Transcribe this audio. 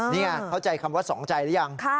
นี่ไงเข้าใจคำว่าสองใจหรือยัง